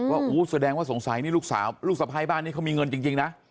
อู้แสดงว่าสงสัยนี่ลูกสาวลูกสะพ้ายบ้านนี้เขามีเงินจริงนะ